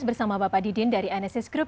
bersama bapak didin dari enesis group